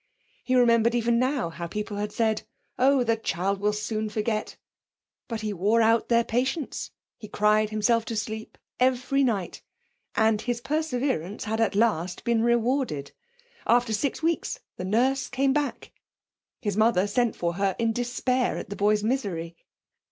He remembered even now how people had said: 'Oh, the child will soon forget.' But he wore out their patience; he cried himself to sleep every night. And his perseverance had at last been rewarded. After six weeks the nurse came back. His mother sent for her in despair at the boy's misery.